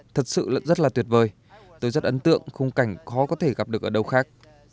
thật sự là rất là tuyệt vời tôi rất ấn tượng khung cảnh khó có thể gặp được ở đâu khác